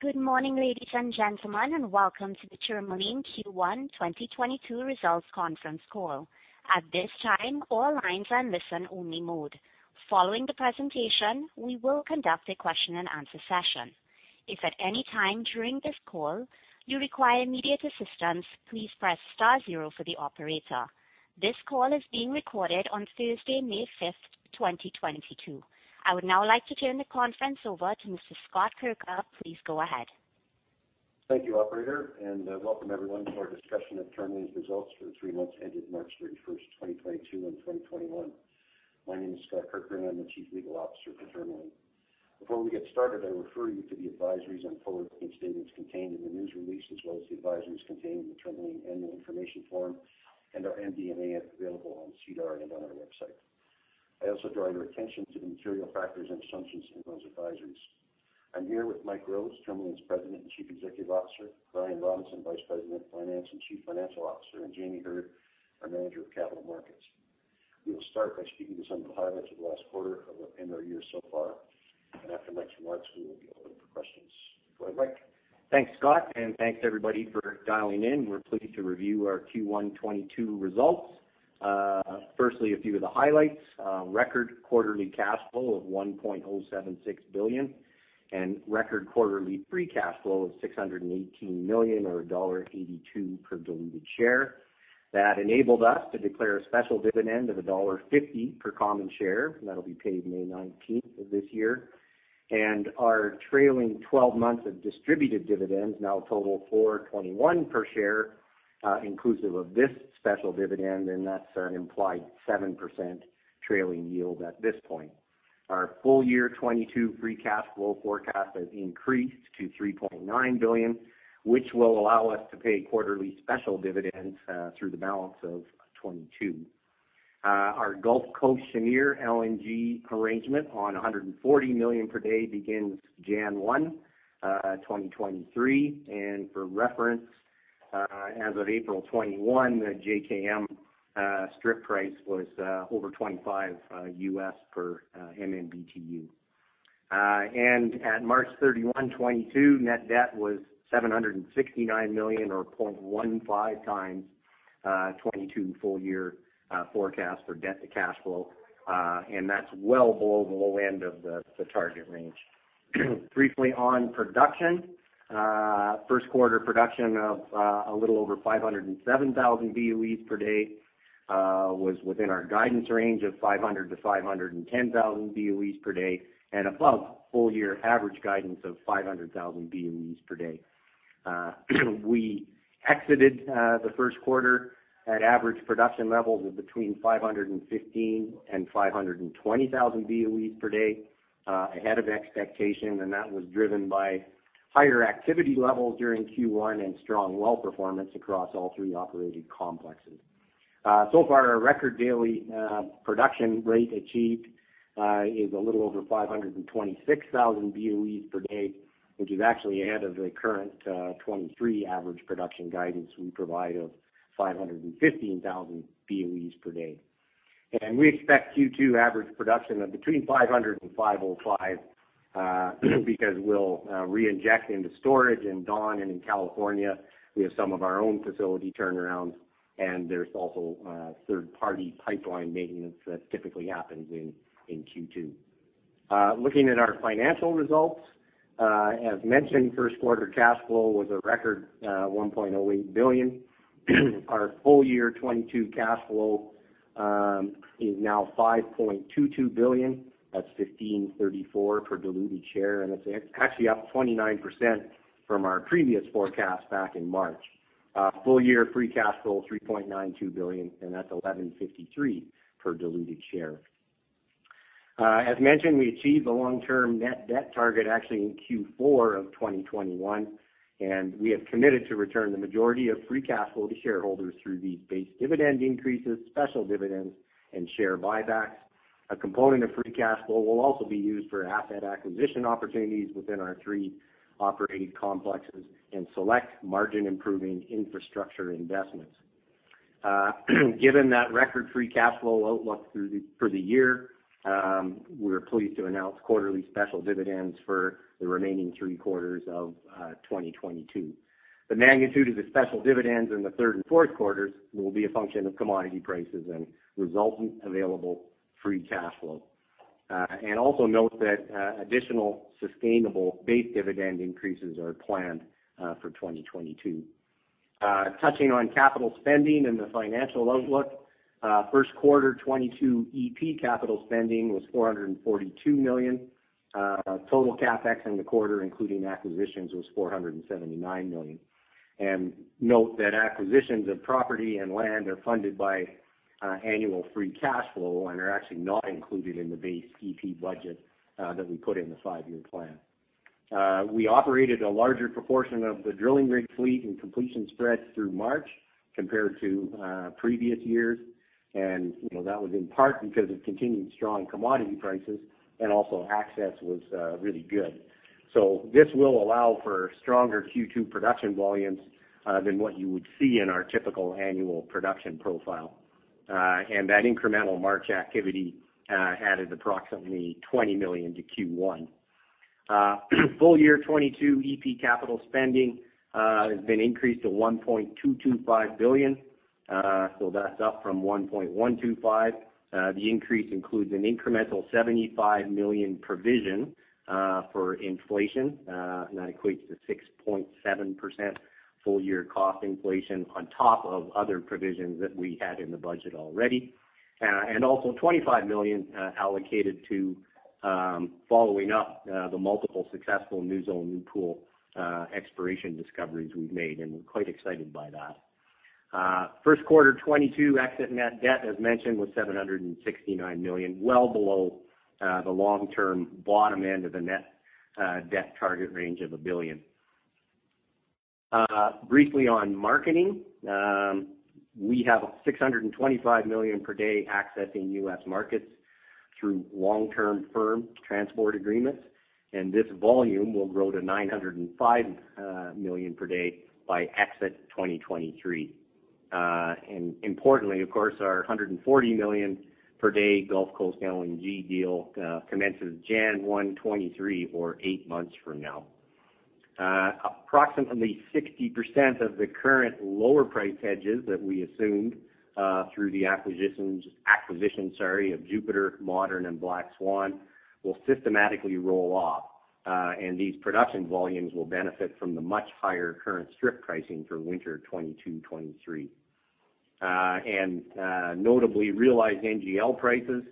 Good morning, ladies and gentlemen, and welcome to the Tourmaline Q1 2022 Results Conference Call. At this time, all lines are in listen-only mode. Following the presentation, we will conduct a question-and-answer session. If at any time during this call you require immediate assistance, please press star zero for the operator. This call is being recorded on Thursday, May 5th, 2022. I would now like to turn the conference over to Mr. Scott Kirker. Please go ahead. Thank you, operator, and welcome everyone to our discussion of Tourmaline's results for the three months ended March 31st, 2022 and 2021. My name is Scott Kirker, and I'm the Chief Legal Officer for Tourmaline. Before we get started, I refer you to the advisories on forward-looking statements contained in the news release, as well as the advisories contained in the Tourmaline Annual Information Form and our MD&A available on SEDAR and on our website. I also draw your attention to the material factors and assumptions in those advisories. I'm here with Mike Rose, Tourmaline's President and Chief Executive Officer; Brian Robinson, Vice President of Finance and Chief Financial Officer; and Jamie Heard, our Manager of Capital Markets. We will start by speaking to some of the highlights of the last quarter and our year so far. After Mike's remarks, we will be available for questions. Go ahead, Mike. Thanks, Scott, and thanks everybody for dialing in. We're pleased to review our Q1 2022 results. Firstly, a few of the highlights. Record quarterly cash flow of 1.076 billion and record quarterly free cash flow of 618 million or dollar 1.82 per diluted share. That enabled us to declare a special dividend of dollar 1.50 per common share. That'll be paid May nineteenth of this year. Our trailing 12 months of distributed dividends now total 4.21 per share, inclusive of this special dividend, and that's an implied 7% trailing yield at this point. Our full year 2022 free cash flow forecast has increased to 3.9 billion, which will allow us to pay quarterly special dividends through the balance of 2022. Our Gulf Coast Cheniere LNG arrangement on 140 million per day begins January 1, 2023. For reference, as of April 21, the JKM strip price was over $25 per MMBtu. At March 31, 2022, net debt was 769 million or 0.15x 2022 full year forecast for debt to cash flow, and that's well below the low end of the target range. Briefly on production. First quarter production of a little over 507,000 BOEs per day was within our guidance range of 500,000-510,000 BOEs per day and above full year average guidance of 500,000 BOEs per day. We exited the first quarter at average production levels of between 515,000 and 520,000 BOE per day, ahead of expectation, and that was driven by higher activity levels during Q1 and strong well performance across all three operating complexes. So far, our record daily production rate achieved is a little over 526,000 BOE per day, which is actually ahead of the current 2023 average production guidance we provide of 515,000 BOE per day. We expect Q2 average production of between 500 and 505, because we'll reinject into storage in Dawn and in California. We have some of our own facility turnarounds, and there's also third-party pipeline maintenance that typically happens in Q2. Looking at our financial results, as mentioned, first quarter cash flow was a record 1.08 billion. Our full year 2022 cash flow is now 5.22 billion. That's 15.34 per diluted share, and it's actually up 29% from our previous forecast back in March. Full year free cash flow 3.92 billion, and that's 11.53 per diluted share. As mentioned, we achieved the long-term net debt target actually in Q4 of 2021, and we have committed to return the majority of free cash flow to shareholders through these base dividend increases, special dividends, and share buybacks. A component of free cash flow will also be used for asset acquisition opportunities within our three operating complexes and select margin-improving infrastructure investments. Given that record free cash flow outlook for the year, we're pleased to announce quarterly special dividends for the remaining three quarters of 2022. The magnitude of the special dividends in the third and fourth quarters will be a function of commodity prices and resultant available free cash flow. Also note that additional sustainable base dividend increases are planned for 2022. Touching on capital spending and the financial outlook, first quarter 2022 EP capital spending was 442 million. Total CapEx in the quarter, including acquisitions, was 479 million. Note that acquisitions of property and land are funded by annual free cash flow and are actually not included in the base EP budget that we put in the five-year plan. We operated a larger proportion of the drilling rig fleet and completion spreads through March compared to previous years. You know, that was in part because of continued strong commodity prices and also access was really good. This will allow for stronger Q2 production volumes than what you would see in our typical annual production profile. That incremental March activity added approximately 20 million to Q1. Full year 2022 E&P capital spending has been increased to 1.225 billion. That's up from 1.125 billion. The increase includes an incremental 75 million provision for inflation, and that equates to 6.7% full year cost inflation on top of other provisions that we had in the budget already. Also, 25 million allocated to following up the multiple successful new zone, new pool exploration discoveries we've made, and we're quite excited by that. First quarter 2022 exit net debt, as mentioned, was 769 million, well below the long-term bottom end of the net debt target range of 1 billion. Briefly on marketing. We have 625 million per day accessing U.S. markets through long-term firm transport agreements, and this volume will grow to 905 million per day by exit 2023. Importantly, of course, our 140 million per day Gulf Coast LNG deal commences January 1, 2023 or eight months from now. Approximately 60% of the current lower price hedges that we assumed through the acquisition of Jupiter, Modern and Black Swan will systematically roll off. These production volumes will benefit from the much higher current strip pricing for winter 2022-2023. Notably, realized NGL prices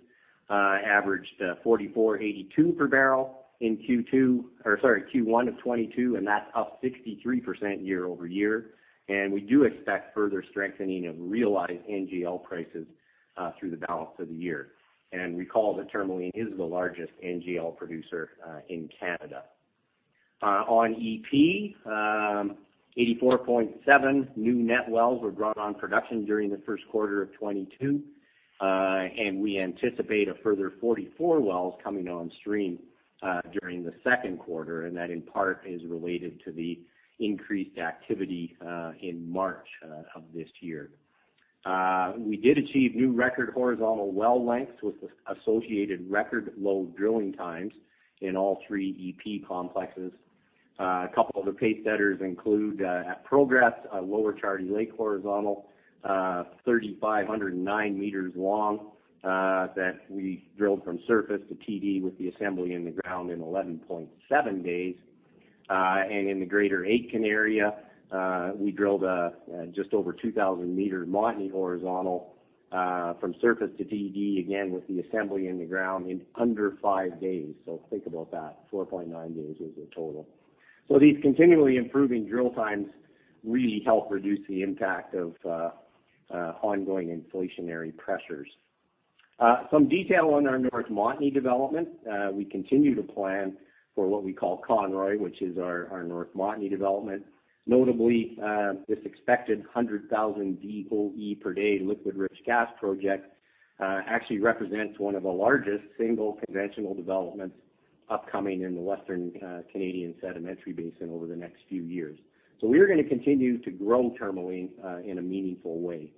averaged 44.82 per barrel in Q1 of 2022, and that's up 63% year-over-year. We do expect further strengthening of realized NGL prices through the balance of the year. Recall that Tourmaline is the largest NGL producer in Canada. On E&P, 84.7 new net wells were brought on production during the first quarter of 2022. We anticipate a further 44 wells coming on stream during the second quarter, and that in part is related to the increased activity in March of this year. We did achieve new record horizontal well lengths with associated record low drilling times in all three E&P complexes. A couple of the pacesetters include at Progress, a Lower Charlie Lake horizontal 3,509 meters long that we drilled from surface to TD with the assembly in the ground in 11.7 days. In the Greater Aitken area, we drilled just over 2,000-meter Montney horizontal from surface to TD, again, with the assembly in the ground in under five days. Think about that, 4.9 days was the total. These continually improving drill times really help reduce the impact of ongoing inflationary pressures. Some detail on our North Montney development. We continue to plan for what we call Conroy, which is our North Montney development. Notably, this expected 100,000 BOE per day liquid rich gas project actually represents one of the largest single conventional developments upcoming in the Western Canadian Sedimentary Basin over the next few years. We are gonna continue to grow Tourmaline in a meaningful way.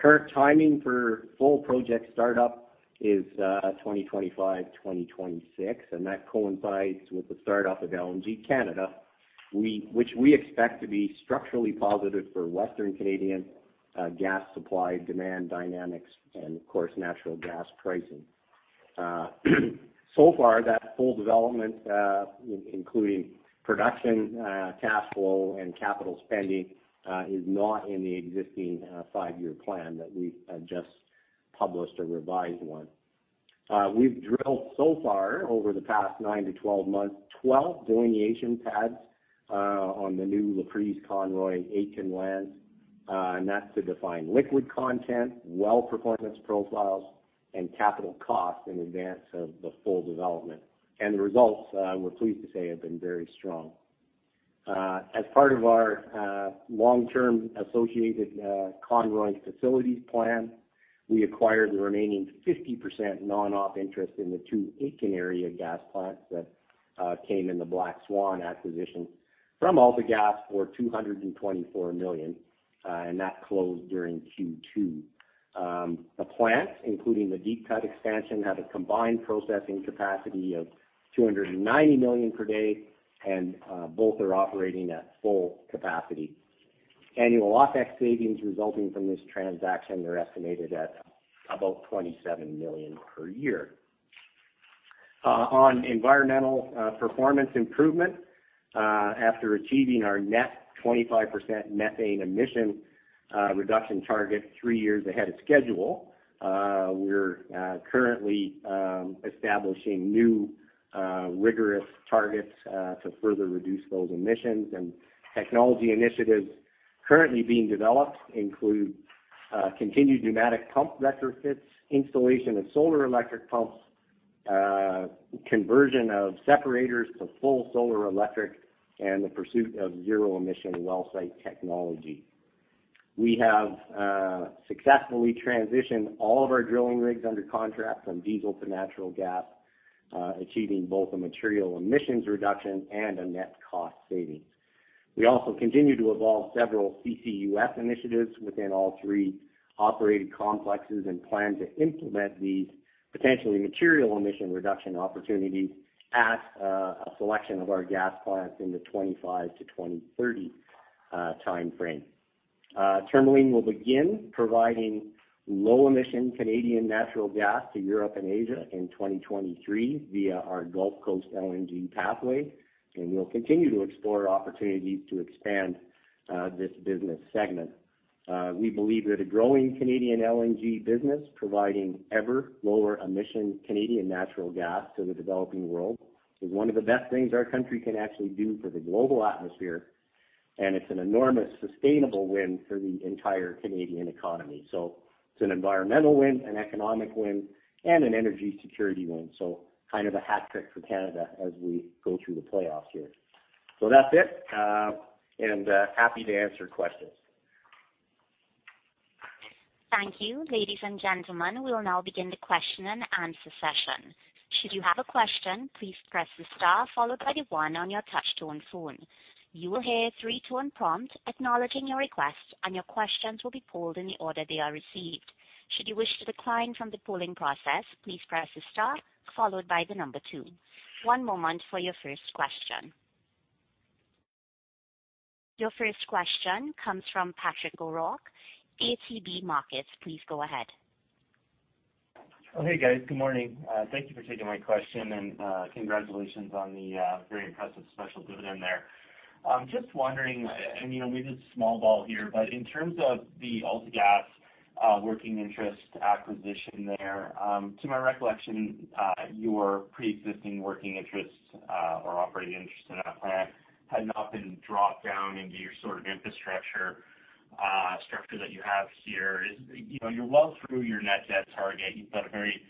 Current timing for full project startup is 2025, 2026, and that coincides with the startup of LNG Canada, which we expect to be structurally positive for Western Canadian gas supply, demand dynamics and of course, natural gas pricing. So far that full development, including production, cash flow and capital spending, is not in the existing five-year plan that we just published, a revised one. We've drilled so far over the past 9-12 months, 12 delineation pads, on the new Laprise, Conroy, Aitken lands, and that's to define liquid content, well performance profiles and capital costs in advance of the full development. The results, we're pleased to say, have been very strong. As part of our long-term associated Conroy facilities plan, we acquired the remaining 50% non-op interest in the two Aitken area gas plants that came in the Black Swan acquisition from AltaGas for 224 million, and that closed during Q2. The plants, including the deep cut expansion, have a combined processing capacity of 290 million per day and both are operating at full capacity. Annual OpEx savings resulting from this transaction are estimated at about 27 million per year. On environmental performance improvement, after achieving our net 25% methane emission reduction target three years ahead of schedule, we're currently establishing new rigorous targets to further reduce those emissions. Technology initiatives currently being developed include continued pneumatic pump retrofits, installation of solar electric pumps, conversion of separators to full solar electric, and the pursuit of zero emission well site technology. We have successfully transitioned all of our drilling rigs under contract from diesel to natural gas, achieving both a material emissions reduction and a net cost savings. We also continue to evolve several CCUS initiatives within all three operating complexes and plan to implement these potentially material emission reduction opportunities at a selection of our gas plants in the 2025-2030 timeframe. Tourmaline will begin providing low emission Canadian natural gas to Europe and Asia in 2023 via our Gulf Coast LNG pathway, and we'll continue to explore opportunities to expand this business segment. We believe that a growing Canadian LNG business providing ever lower emission Canadian natural gas to the developing world is one of the best things our country can actually do for the global atmosphere. It's an enormous sustainable win for the entire Canadian economy. It's an environmental win, an economic win, and an energy security win. Kind of a hat trick for Canada as we go through the playoffs here. That's it, and happy to answer questions. Thank you. Ladies and gentlemen, we will now begin the question-and-answer session. Should you have a question, please press the star followed by the one on your touch tone phone. You will hear three tone prompts acknowledging your request, and your questions will be pulled in the order they are received. Should you wish to decline from the polling process, please press the star followed by the number two. One moment for your first question. Your first question comes from Patrick O'Rourke, ATB Markets. Please go ahead. Oh, hey, guys. Good morning. Thank you for taking my question and congratulations on the very impressive special dividend there. Just wondering, you know, maybe this is small ball here, but in terms of the AltaGas working interest acquisition there, to my recollection, your preexisting working interests or operating interests in that plant had not been dropped down into your sort of infrastructure structure that you have here. You know, you're well through your net debt target. You've got a very,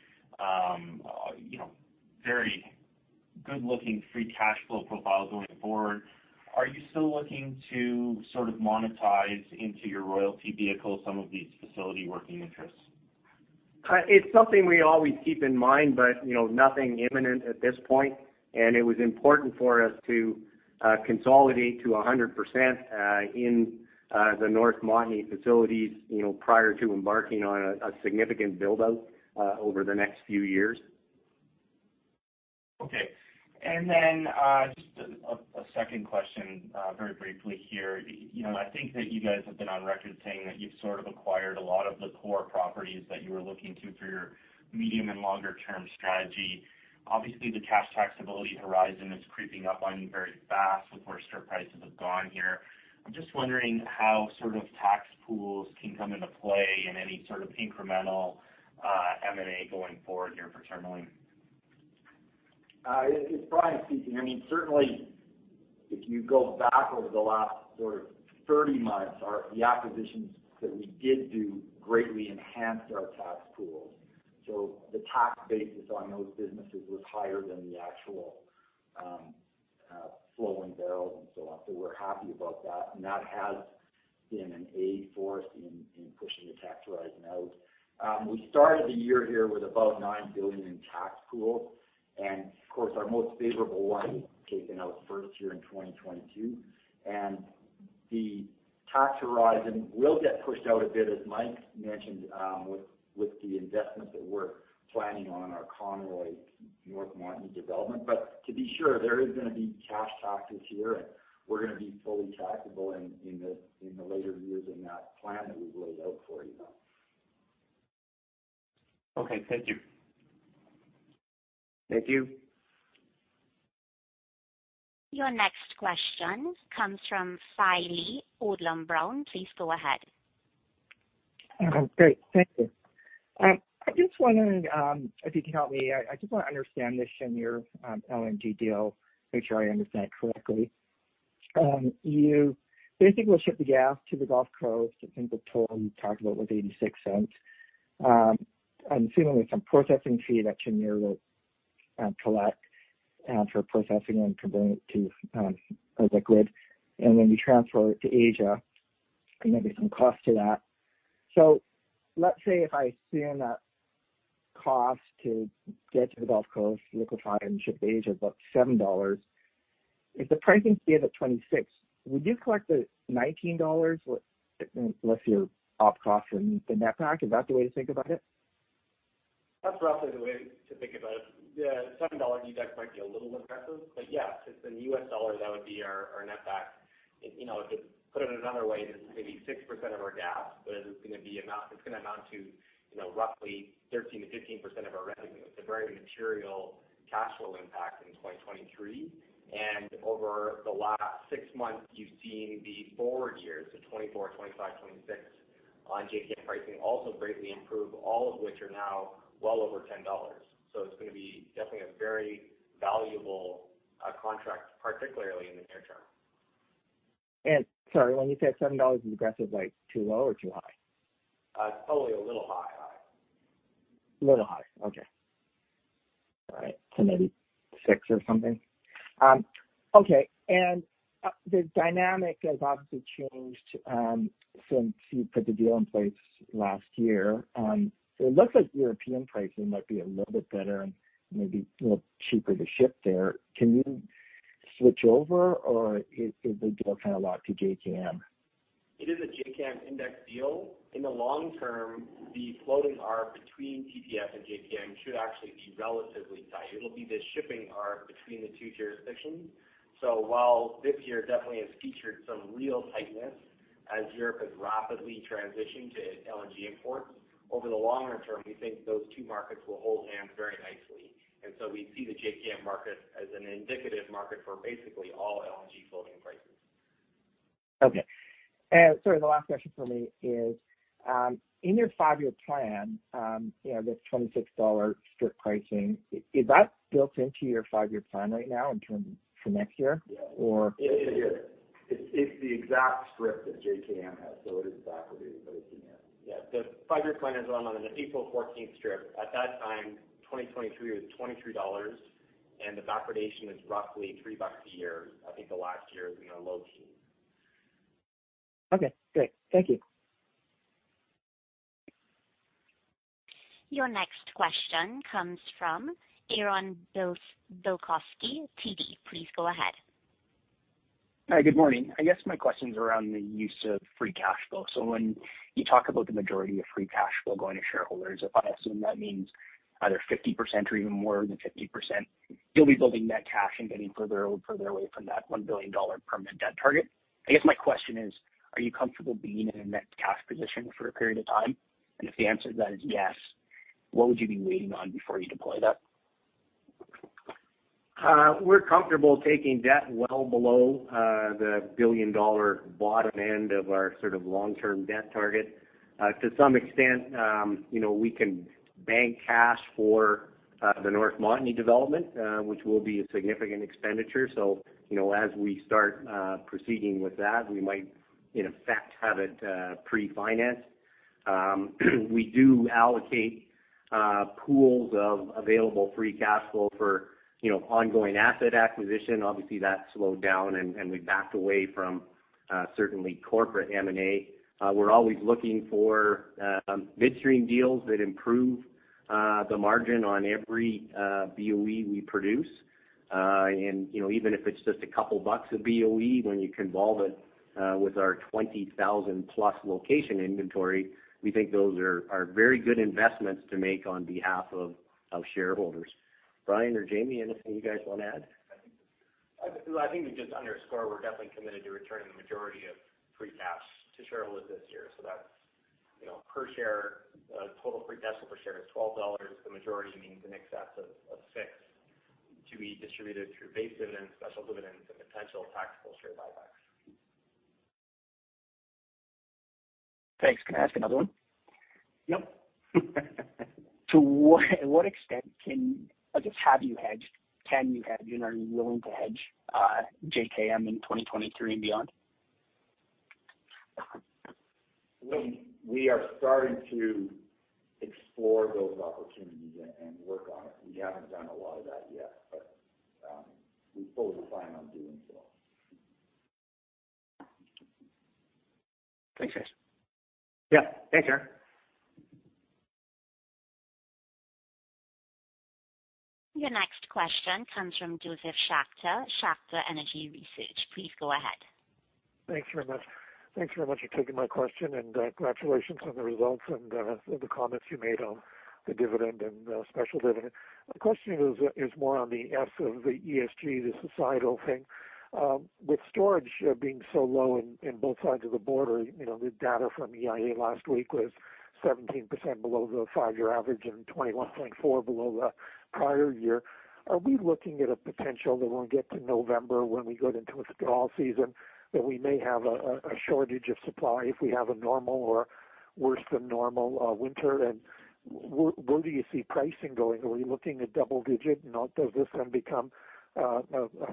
you know, very good looking free cash flow profile going forward. Are you still looking to sort of monetize into your royalty vehicle some of these facility working interests? It's something we always keep in mind, but, you know, nothing imminent at this point. It was important for us to consolidate to 100% in the North Montney facilities, you know, prior to embarking on a significant build out over the next few years. Okay. Just a second question, very briefly here. You know, I think that you guys have been on record saying that you've sort of acquired a lot of the core properties that you were looking to for your medium and longer term strategy. Obviously, the cash taxability horizon is creeping up on you very fast with where strip prices have gone here. I'm just wondering how sort of tax pools can come into play in any sort of incremental, M&A going forward here for Tourmaline. It's probably a season. I mean, certainly if you go back over the last sort of 30 months, the acquisitions that we did do greatly enhanced our tax pools. The tax basis on those businesses was higher than the actual flowing barrels and so on. We're happy about that, and that has been an aid for us in pushing the tax horizon out. We started the year here with above 9 billion in tax pool, and of course, our most favorable one tapering out first here in 2022. The tax horizon will get pushed out a bit, as Mike mentioned, with the investments that we're planning on our Conroy North Montney development. To be sure, there is gonna be cash taxes here, and we're gonna be fully taxable in the later years in that plan that we've laid out for you. Okay. Thank you. Thank you. Your next question comes from Fai Lee, Odlum Brown. Please go ahead. Okay, great. Thank you. I'm just wondering if you can help me. I just wanna understand this Cheniere LNG deal, make sure I understand it correctly. You basically will ship the gas to the Gulf Coast. I think the toll you talked about was $0.86. I'm assuming there's some processing fee that Cheniere will collect for processing and converting it to LNG. When you transfer it to Asia, there may be some cost to that. Let's say if I assume that cost to get to the Gulf Coast, liquefy and ship to Asia is about $7. If the pricing stays at $26, would you collect the $19 less your OpEx cost and the net back? Is that the way to think about it? That's roughly the way to think about it. The $7 view, that might be a little aggressive, but yes, it's in U.S. dollars that would be our net back. You know, to put it another way, this is maybe 6% of our gas, but it is gonna amount to, you know, roughly 13%-15% of our revenue. It's a very material cash flow impact in 2023. Over the last six months, you've seen the forward years, so 2024, 2025, 2026 on JKM pricing also greatly improve, all of which are now well over $10. It's gonna be definitely a very valuable contract, particularly in the near term. Sorry, when you say $7 is aggressive, like too low or too high? It's probably a little high. Little high. Okay. All right. Maybe six or something. The dynamic has obviously changed since you put the deal in place last year. It looks like European pricing might be a little bit better and maybe a little cheaper to ship there. Can you switch over or is the deal kinda locked to JKM? It is a JKM index deal. In the long term, the floating arc between TTF and JKM should actually be relatively tight. It'll be the shipping arc between the two jurisdictions. So while this year definitely has featured some real tightness as Europe has rapidly transitioned to LNG imports, over the longer term, we think those two markets will hold hands very nicely. We see the JKM market as an indicative market for basically all LNG floating prices. Okay. Sorry, the last question from me is, in your five-year plan, you know, this $26 strip pricing, is that built into your five-year plan right now for next year? Yeah. Or- It is. It's the exact strip that JKM has, so it is exactly what is in there. Yeah. The five-year plan is run on an April fourteenth strip. At that time, 2023 was $23, and the backwardation was roughly $3 a year. I think the last year is in the low teens. Okay, great. Thank you. Your next question comes from Aaron Bilkoski, TD. Please go ahead. Hi. Good morning. I guess my question's around the use of free cash flow. When you talk about the majority of free cash flow going to shareholders, if I assume that means either 50% or even more than 50%, you'll be building net cash and getting further and further away from that 1 billion dollar permanent debt target. I guess my question is, are you comfortable being in a net cash position for a period of time? If the answer to that is yes, what would you be waiting on before you deploy that? We're comfortable taking debt well below the billion-dollar bottom end of our sort of long-term debt target. To some extent, you know, we can bank cash for the North Montney development, which will be a significant expenditure. You know, as we start proceeding with that, we might in effect have it pre-financed. We do allocate pools of available free cash flow for you know, ongoing asset acquisition. Obviously, that slowed down, and we backed away from certainly corporate M&A. We're always looking for midstream deals that improve the margin on every BOE we produce. You know, even if it's just a couple bucks a BOE, when you convolve it with our 20,000+ location inventory, we think those are very good investments to make on behalf of shareholders. Brian or Jamie, anything you guys wanna add? I think to just underscore, we're definitely committed to returning the majority of free cash to shareholders this year. Per share, total free cash flow per share is 12 dollars. The majority means in excess of 6 to be distributed through base dividends, special dividends, and potential taxable share buybacks. Thanks. Can I ask another one? Yep. To what extent have you hedged, can you hedge and are you willing to hedge JKM in 2023 and beyond? We are starting to explore those opportunities and work on it. We haven't done a lot of that yet, but we're fully planning on doing so. Thanks, guys. Yep. Thanks, Aaron. Your next question comes from Josef Schachter, Schachter Energy Research. Please go ahead. Thanks very much. Thanks very much for taking my question, and congratulations on the results and the comments you made on the dividend and special dividend. My question is more on the S of the ESG, the societal thing. With storage being so low on both sides of the border, you know, the data from EIA last week was 17% below the five-year average and 21.4% below the prior year. Are we looking at a potential that we'll get to November when we go into withdrawal season, that we may have a shortage of supply if we have a normal or worse than normal winter? And where do you see pricing going? Are we looking at double digit? You know, does this then become a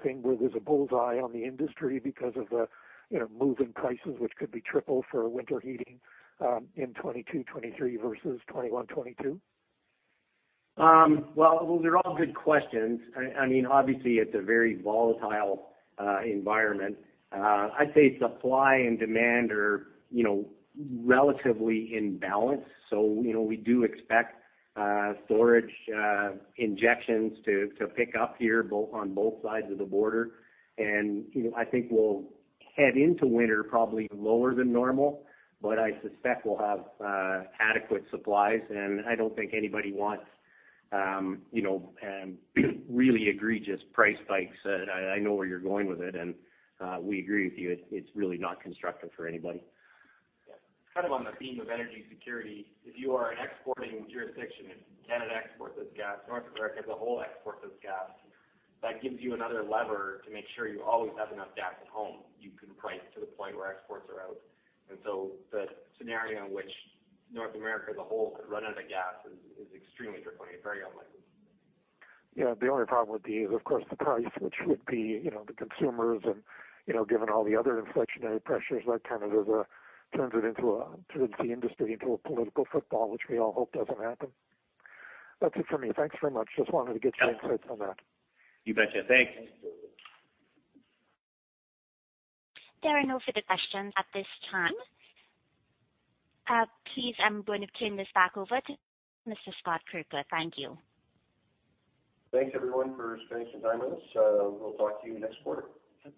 thing where there's a bull's-eye on the industry because of the, you know, moving prices, which could be triple for winter heating in 2022-2023 versus 2021-2022? Well, they're all good questions. I mean, obviously it's a very volatile environment. I'd say supply and demand are, you know, relatively in balance. You know, we do expect storage injections to pick up here both on both sides of the border. You know, I think we'll head into winter probably lower than normal, but I suspect we'll have adequate supplies. I don't think anybody wants, you know, really egregious price spikes. I know where you're going with it, and we agree with you. It's really not constructive for anybody. Yeah. Kind of on the theme of energy security, if you are an exporting jurisdiction, if Canada exports its gas, North America as a whole exports its gas, that gives you another lever to make sure you always have enough gas at home. You can price to the point where exports are out. The scenario in which North America as a whole could run out of gas is extremely draconian, very unlikely. Yeah. The only problem would be, of course, the price, which would be, you know, the consumers and, you know, given all the other inflationary pressures, that kind of turns the industry into a political football, which we all hope doesn't happen. That's it for me. Thanks very much. Just wanted to get your insights on that. You betcha. Thanks. There are no further questions at this time. Please, I'm going to turn this back over to Mr. Scott Kirker. Thank you. Thanks, everyone, for spending some time with us. We'll talk to you next quarter. Yep.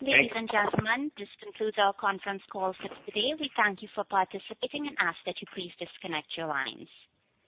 Thanks. Ladies and gentlemen, this concludes our conference call for today. We thank you for participating and ask that you please disconnect your lines.